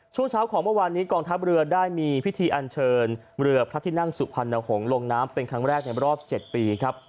ช่วงเช้าของเมื่อวานนี้กองทัพเรือได้มีพิธีอันเชิญเรือพระที่นั่งสุพรรณหงษ์ลงน้ำเป็นครั้งแรกในรอบ๗ปีครับ